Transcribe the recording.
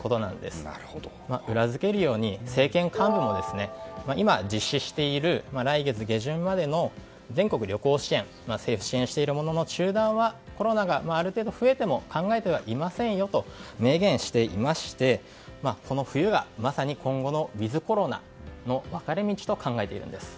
それを裏付けるように政権幹部も今、実施している来月下旬までの全国旅行支援政府が支援しているものの中断はコロナがある程度増えてても考えていませんよと明言していましてこの冬がまさに今後のウィズコロナの分かれ道と考えているんです。